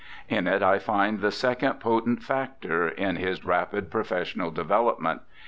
In it I find the second potent factor in his rapid professional development.